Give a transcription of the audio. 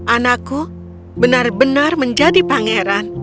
anakku benar benar menjadi pangeran